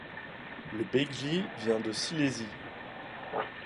Le bejgli vient de Silésie.